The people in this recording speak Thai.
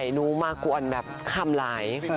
หนูมากวนแบบคำหลาย